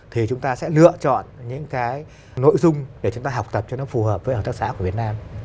thì chúng ta sẽ lựa chọn những cái nội dung để chúng ta học tập cho nó phù hợp với hợp tác xã của việt nam